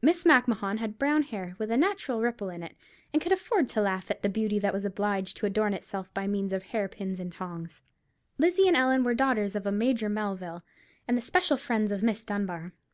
Miss Macmahon had brown hair, with a natural ripple in it, and could afford to laugh at beauty that was obliged to adorn itself by means of hair pins and tongs. Lizzie and Ellen were the daughters of a Major Melville, and the special friends of Miss Dunbar.